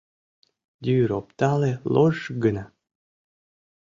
Йӱр оптале лож-ж гына.